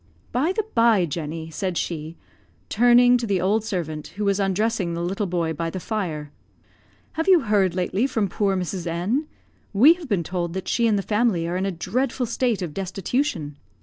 "By the bye, Jenny," said she, turning to the old servant, who was undressing the little boy by the fire, "have you heard lately from poor Mrs. N ? We have been told that she and the family are in a dreadful state of destitution.